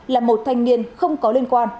là một thanh niên không có liên quan